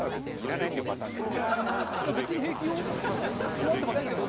「困ってませんけど？」